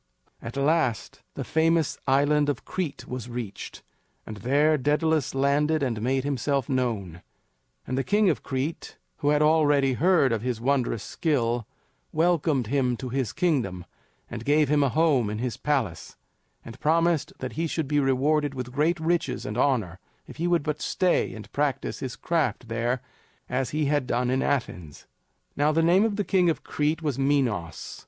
At last the famous Island of Crete was reached, and there Daedalus landed and made himself known; and the King of Crete, who had already heard of his wondrous skill, welcomed him to his kingdom, and gave him a home in his palace, and promised that he should be rewarded with great riches and honor if he would but stay and practice his craft there as he had done in Athens. Now the name of the King of Crete was Minos.